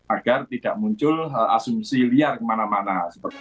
agar tidak muncul asumsi liar kemana mana